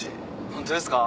ホントですか。